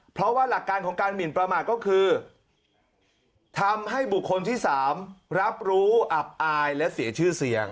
เพราะว่าหลักการของการหมินประมาทก็คือทำให้บุคคลที่๓รับรู้อับอายและเสียชื่อเสียง